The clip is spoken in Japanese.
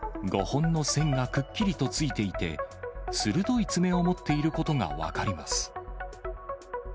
５本の線がくっきりとついていて、鋭い爪を持っていることが分かります。